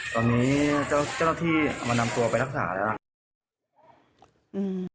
ตอนนี้เจ้าที่มานำตัวไปรักษาแล้ว